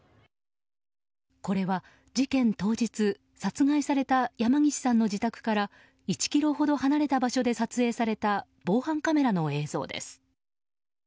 これは事件当日殺害された山岸さんの自宅から１ｋｍほど離れた場所で撮影された防犯カメラの映像です。